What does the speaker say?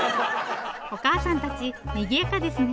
おかあさんたちにぎやかですね。